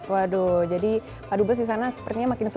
waduh jadi pak dubes di sana sepertinya makin seru